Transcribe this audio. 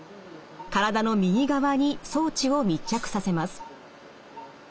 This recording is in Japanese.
体の右側に装置を密着させます。